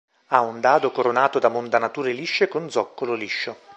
Ha un dado coronato da modanature lisce e con zoccolo liscio.